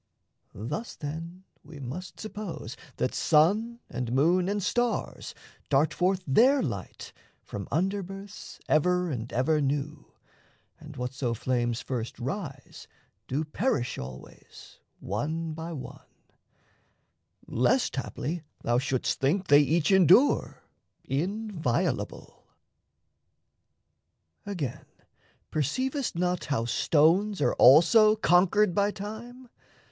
Thus, then, we must suppose that sun and moon And stars dart forth their light from under births Ever and ever new, and whatso flames First rise do perish always one by one Lest, haply, thou shouldst think they each endure Inviolable. Again, perceivest not How stones are also conquered by Time?